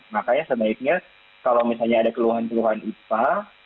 makanya sebaiknya kalau misalnya ada keluhan keluhan ipa